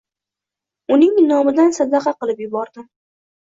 Uning nomidan sadaqa qilib yubordim